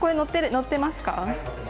のってますか？